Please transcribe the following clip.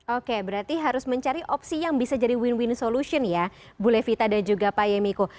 oke berarti harus mencari opsi yang bisa jadi win win solution ya bu levita dan juga pak yemiko